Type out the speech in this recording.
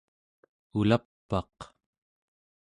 ulap'aq